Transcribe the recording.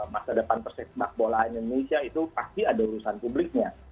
masa depan persepak bola indonesia itu pasti ada urusan publiknya